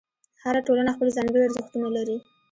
هره ټولنه خپل ځانګړي ارزښتونه لري.